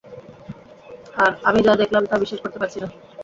আর আমি যা দেখলাম তা বিশ্বাস করতে পারছি না।